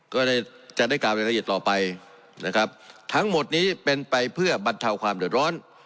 ก็ได้จะได้กล่าวรายละเอียดต่อไปนะครับทั้งหมดนี้เป็นไปเพื่อบรรเทาความเดือดร้อน